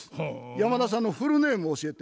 山田さんのフルネーム教えて。